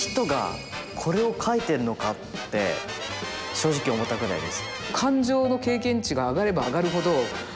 正直思ったぐらいです。